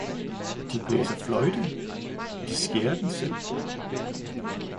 De blæser fløjte, De skærer den selv.